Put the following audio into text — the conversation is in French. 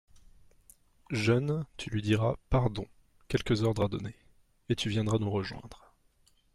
Jeune ! tu lui diras : "Pardon, quelques ordres à donner…" et tu viendras nous rejoindre.